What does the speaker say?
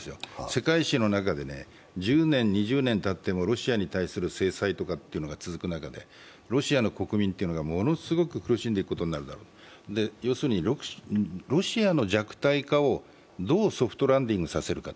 世界史の中で１０年、２０年たってもロシアに対する制裁が続く中で続く中で、ロシアの国民というのがものすごく苦しんでいることになる、要するにロシアの弱体化をどうソフトランディングさせるか。